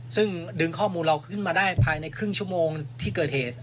ซึ่งดึงข้อมูลเราขึ้นมาได้ภายในครึ่งชั่วโมงที่เกิดเหตุ